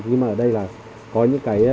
nhưng mà ở đây là có những cái